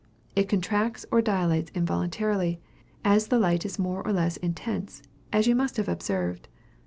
It contracts or dilates involuntarily, as the light is more or less intense, as you must have observed.